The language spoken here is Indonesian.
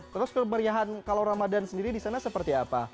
terus kemeriahan kalau ramadan sendiri di sana seperti apa